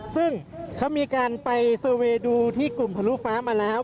ซึ่งเขามีการไปเซอร์เวย์ดูที่กลุ่มทะลุฟ้ามาแล้ว